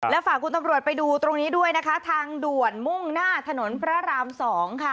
และฝากคุณตำรวจไปดูตรงนี้ด้วยนะคะทางด่วนมุ่งหน้าถนนพระราม๒ค่ะ